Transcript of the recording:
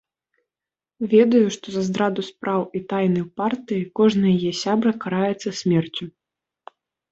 Ведаю, што за здраду спраў і тайнаў партыі кожны яе сябра караецца смерцю.